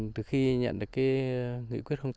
từ khi nhận được nghị quyết tám